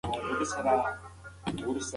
ښوونکی پرون اصلاح تشریح کړه.